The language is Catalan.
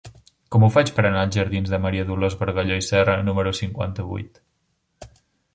Com ho faig per anar als jardins de Maria Dolors Bargalló i Serra número cinquanta-vuit?